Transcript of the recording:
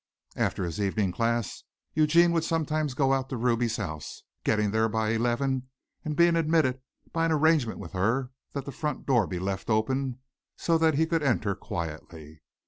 After his evening class Eugene would sometimes go out to Ruby's house, getting there by eleven and being admitted by an arrangement with her that the front door be left open so that he could enter quietly.